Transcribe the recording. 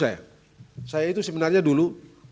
saya saya itu sebenarnya dulu